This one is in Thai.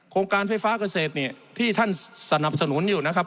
โครงการไฟฟ้าเกษตรที่ท่านสนับสนุนอยู่นะครับ